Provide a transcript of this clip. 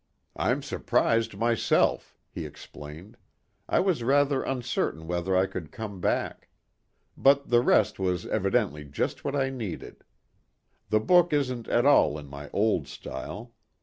"I'm surprised myself," he explained. "I was rather uncertain whether I could come back. But the rest was evidently just what I needed. The book isn't at all in my old style.